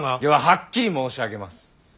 でははっきり申し上げます。